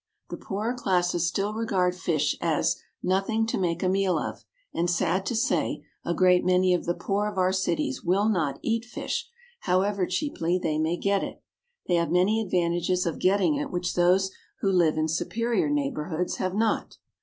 The poorer classes still regard fish as "nothing to make a meal of," and, sad to say, a great many of the poor of our cities will not eat fish, however cheaply they may get it. They have many advantages of getting it which those who live in superior neighbourhoods have not.